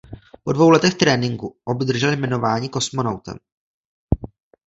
Po dvou letech tréninku obdržel jmenování kosmonautem.